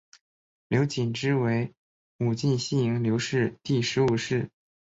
刘谨之为武进西营刘氏第十五世。